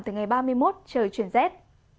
từ ngày ba mươi một trời truyền rết